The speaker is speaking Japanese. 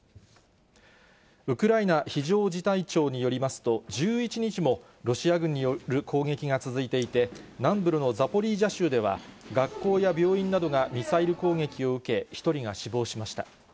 ウクライナ非常事態庁によりますと、１１日も、ロシア軍による攻撃が続いていて、南部のザポリージャ州では学校や病院などがミサイル攻撃を受け、１人が死亡しました。